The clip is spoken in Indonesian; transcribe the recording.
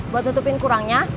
buat nutupin kurangnya